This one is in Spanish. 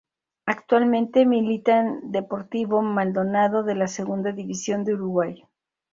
Actualmente milita en Deportivo Maldonado de la Segunda División de Uruguay.